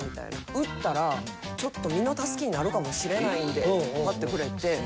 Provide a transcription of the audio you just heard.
売ったらちょっと身の助けになるかもしれないんでってパッてくれて。